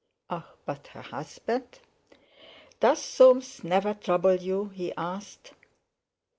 Ah! but her husband? "Does Soames never trouble you?" he asked.